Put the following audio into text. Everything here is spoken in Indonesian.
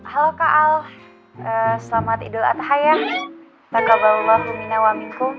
halo kak al selamat idul atahaya